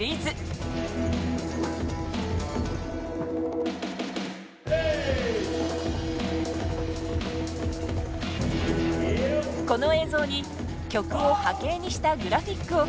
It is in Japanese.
この映像に曲を波形にしたグラフィックを重ねてみると。